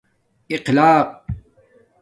اخلاق